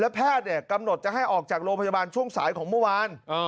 แพทย์กำหนดจะให้ออกจากโรงพยาบาลช่วงสายของเมื่อวาน